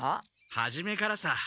はじめからさ。